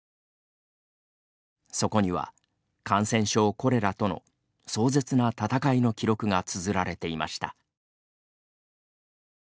そこには、感染症コレラとの壮絶な闘いの記録がつづられていました。